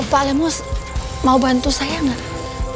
pak lemus mau bantu saya gak